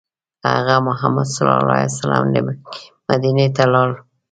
هغه ﷺ له مکې مدینې ته لاړ.